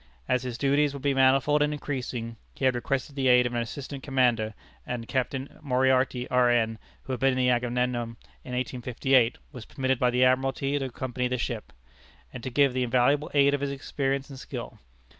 As his duties would be manifold and increasing, he had requested the aid of an assistant commander, and Captain Moriarty, R. N., who had been in the Agamemnon in 1858, was permitted by the Admiralty to accompany the ship, and to give the invaluable aid of his experience and skill.